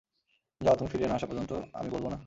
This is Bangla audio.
যাও, তুমি ফিরে না আসা পর্যন্ত, আমি বলবো না।